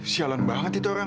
sialan banget itu orang